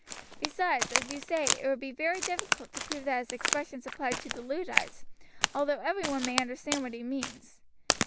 Besides, as you say, it would be very difficult to prove that his expressions applied to the Luddites, although every one may understand what he means.